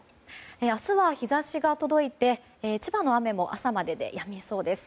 明日は日差しが届いて千葉の雨も朝まででやみそうです。